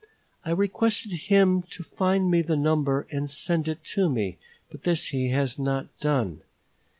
I requested him to find me the number and send it to me; but this he has not done.